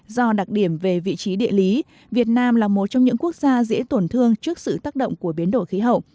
do đặc điểm về vị trí địa lý việt nam là một trong những quốc gia dễ tổn thương trước sự tác động của biến đổi khí hậu